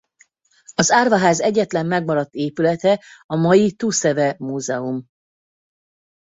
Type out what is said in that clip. Az árvaház egyetlen megmaradt épülete a mai Tou-Se-We Múzeum.